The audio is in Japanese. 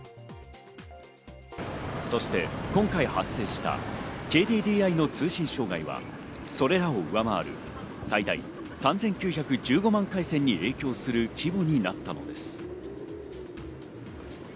そして今回発生したＫＤＤＩの通信障害は、それらを上回る最大３９１５万回線に影響する規模になったのです。